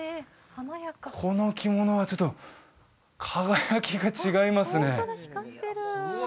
この着物はちょっと輝きが違いますね